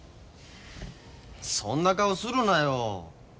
そんな顔するなよ。